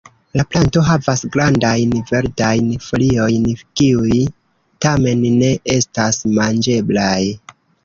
La planto havas grandajn, verdajn foliojn, kiuj tamen ne estas manĝeblaj.